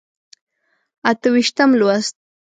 اته ویشتم لوست.